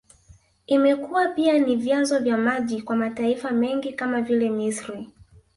Imekuwa pia ni vyanzo vya maji kwa mataifa mengi kama vile Misri